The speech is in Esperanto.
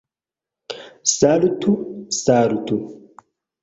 Saltu, saltu!